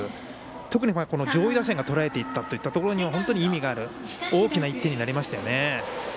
特に、上位打線がとらえていったっていうところには本当に意味がある大きな１点になりましたよね。